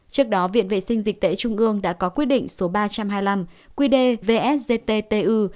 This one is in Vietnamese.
trước đó viện vệ sinh dịch tễ trung ương đã có quyết định số ba trăm hai mươi năm quy đề vsgt tu